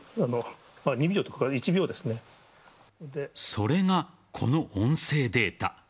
それが、この音声データ。